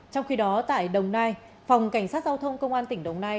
trong khi đó tại đồng nai phòng cảnh sát giao thông công an tỉnh đồng nai